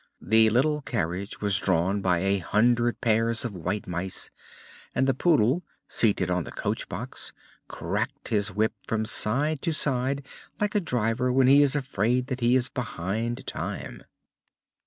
The little carriage was drawn by a hundred pairs of white mice, and the Poodle, seated on the coach box, cracked his whip from side to side like a driver when he is afraid that he is behind time.